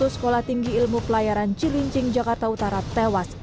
sepuluh sekolah tinggi ilmu pelayaran cilincing jakarta utara tewas